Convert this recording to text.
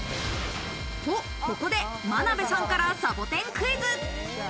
ここで真鍋さんからサボテンクイズ。